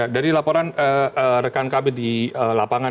dari laporan rekan kami di lapangan